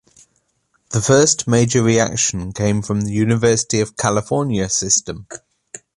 The first major reaction came from the University of California system.